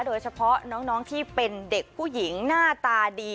โดยเฉพาะน้องที่เป็นเด็กผู้หญิงหน้าตาดี